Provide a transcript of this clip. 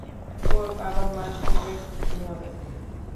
ওর বাবা-মা শুনলে খুশি হবে না।